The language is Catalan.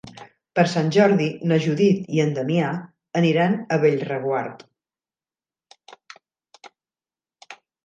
Per Sant Jordi na Judit i en Damià aniran a Bellreguard.